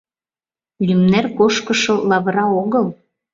Лӱмнер кошкышо лавыра огыл.